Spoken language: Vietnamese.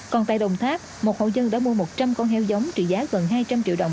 còn tại đồng tháp một hộ dân đã mua một trăm linh con heo giống trị giá gần hai trăm linh triệu đồng